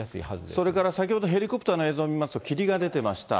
それから先ほどヘリコプターの映像見ますと、霧が出てました。